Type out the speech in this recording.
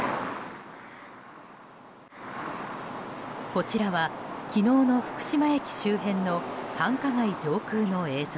こちらは昨日の福島駅周辺の繁華街上空の映像。